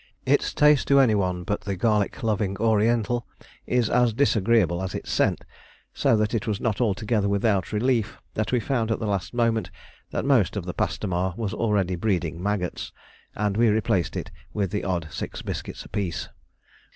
Its taste to any one but the garlic loving Oriental is as disagreeable as its scent, so that it was not altogether without relief that we found at the last moment that most of the pastomar was already breeding maggots, and we replaced it with the odd six biscuits apiece.